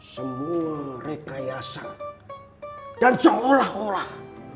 semua rekayasa dan seolah olah